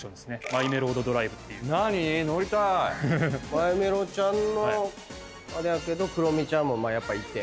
マイメロちゃんのあれやけどクロミちゃんもやっぱいて。